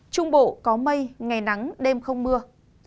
trung bộ có mây ngày nắng đêm không mưa